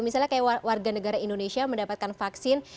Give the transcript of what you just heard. misalnya kayak warga negara indonesia mendapatkan vaksin